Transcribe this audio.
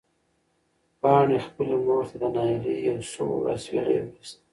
پاڼې خپلې مور ته د ناهیلۍ یو سوړ اسوېلی وویست.